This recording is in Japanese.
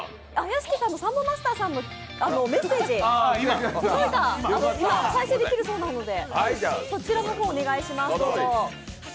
屋敷さんのサンボマスターさんのメッセージ再生できるそうなのでそちらの方、お願いします。